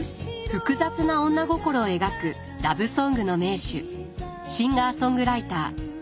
複雑な女心を描くラブソングの名手シンガーソングライター岡村孝子さん。